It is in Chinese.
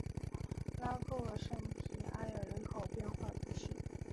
拉库尔圣皮埃尔人口变化图示